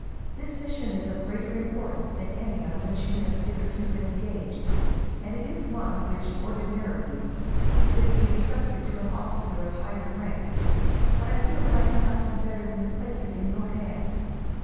This mission is of greater importance than any on which you have hitherto been engaged, and is one which, ordinarily, would be entrusted to an officer of higher rank; but I feel that I cannot do better than place it in your hands.